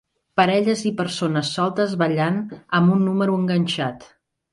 Parelles i persones soltes ballant amb un número enganxat.